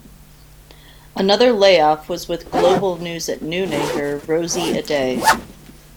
Another layoff was with "Global News at Noon" anchor Rosey Edeh.